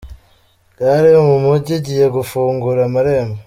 Gare yo mumujyi igiye gufungura amarembo